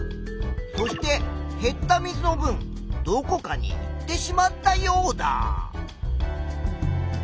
そして減った水のぶんどこかにいってしまったヨウダ。